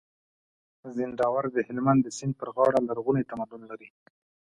زينداور د هلمند د سيند پر غاړه لرغونی تمدن لري